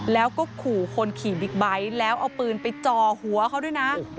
แล้วก็ขู่คนขี่บิ๊กไบท์แล้วเอาปืนไปจ่อหัวเขาด้วยนะ